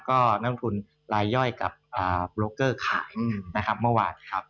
ก็นักลงทุนลายย่อยกับโลเกอร์ขายนะครับเมื่อวานครับ